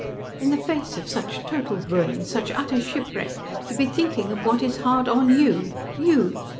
"In the face of such total ruin, such utter shipwreck, to be thinking of what is hard on you. You!